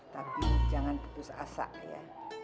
tapi jangan putus asa ya